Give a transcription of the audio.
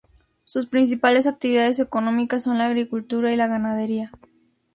Sus principales actividades económicas son la agricultura y la ganadería.